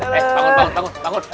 bangun bangun bangun